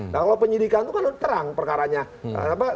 nah kalau penyidikan itu kan terang perkaranya